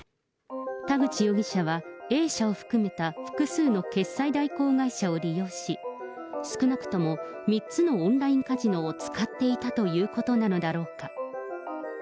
田口容疑者は、Ａ社を含めた、複数の決済代行会社を利用し、少なくとも３つのオンラインカジノを使っていたということなのだろうか。